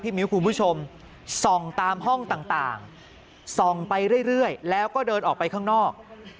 มิ้วคุณผู้ชมส่องตามห้องต่างส่องไปเรื่อยแล้วก็เดินออกไปข้างนอก